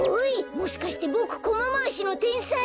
もしかしてボクコマまわしのてんさい？